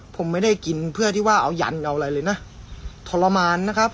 ผมไม่ได้กินเพื่อที่ว่าเอายันเอาอะไรเลยนะทรมานนะครับ